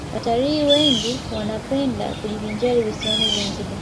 watalii wengi wanapenda kujivinjari visiwani zanzibar